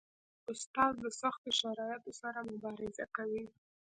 استاد د سختو شرایطو سره مبارزه کوي.